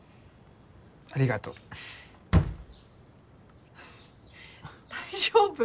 ありがとう大丈夫？